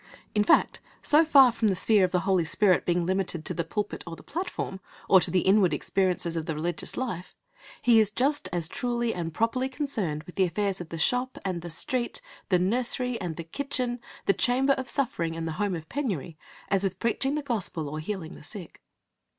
In fact, so far from the sphere of the Holy Spirit being limited to the pulpit or the platform, or to the inward experiences of the religious life, He is just as truly and properly concerned with the affairs of the shop and the street, the nursery and the kitchen, the chamber of suffering and the home of penury, as with preaching the Gospel or healing the sick.